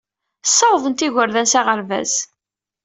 Ssawḍent igerdan s aɣerbaz.